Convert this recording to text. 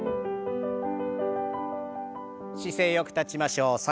姿勢よく立ちましょう。